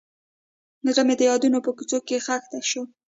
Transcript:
زړه مې د یادونو په کوڅو کې ښخ شو.